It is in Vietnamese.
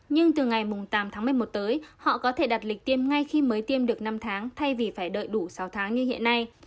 nhưng từ ngày tám tháng một mươi một tới họ có thể đặt lịch tiêm ngay khi mới tiêm được năm tháng thay vì phải đợi đủ sáu tháng như hiện nay